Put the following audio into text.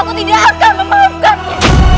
aku tidak akan memaafkan dia